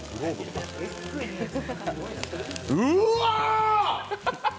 うわ！